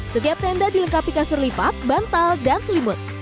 setiap tenda dilengkapi kasur lipat bantal dan selimut